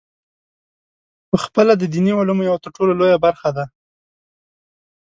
پخپله د دیني علومو یوه ترټولو لویه برخه ده.